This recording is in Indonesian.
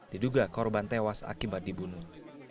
diduga korban tewas akibat dibunuh